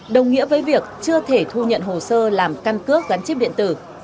đồng nghĩa với việc chưa thể thu nhận hồ sơ làm căn cước gắn chip điện tử